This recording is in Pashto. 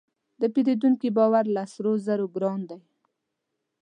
د پیرودونکي باور له سرو زرو ګران دی.